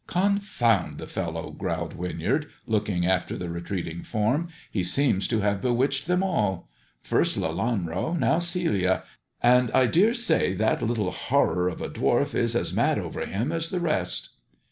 " Confound the fellow !" growled Winyard, looking after the retreating form, "he seems to have bewitched them all. First Lelanro, now Celia, and I dare say that little horror of a dwarf is as mad over him as the rest."